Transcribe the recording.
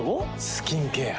スキンケア。